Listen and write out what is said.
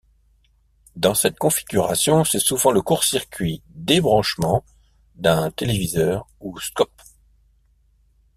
Dans cette configuration c'est souvent le court-circuit dès branchement d'un téléviseur ou scope.